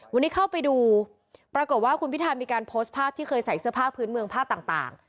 วันนี้เข้าไปดูปรากฏว่าคุณพิธามีการโพสต์ภาพที่เคยใส่เสื้อผ้าพื้นเมืองผ้าต่าง